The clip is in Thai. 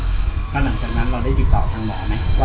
แล้วหลังจากนั้นเราได้ติดต่อทางหมอไหม